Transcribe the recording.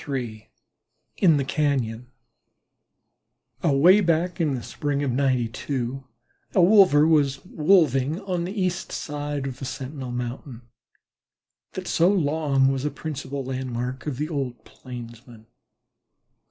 III IN THE CAÑON Away back in the spring of '92 a wolver was "wolving" on the east side of the Sentinel Mountain that so long was a principal landmark of the old Plainsmen.